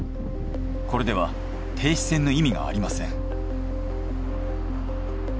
これでは停止線の意味がありません。